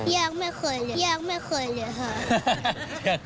ยังไม่เคยเลยค่ะ